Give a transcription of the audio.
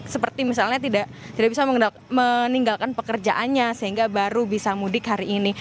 seperti misalnya tidak bisa meninggalkan pekerjaannya sehingga baru bisa mudik hari ini